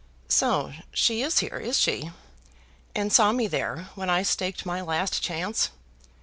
"So she is here, is she; and saw me there when I staked my last chance?